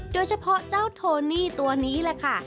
โดยเฉพาะเจ้าโทนี่ตัวนี้แหละค่ะ